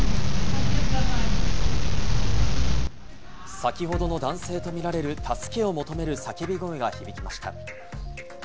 先ほどの男性とみられる助けを求める叫び声が聞こえました。